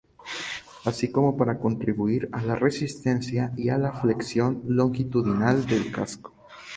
Así como para contribuir a la resistencia y a la flexión longitudinal del casco.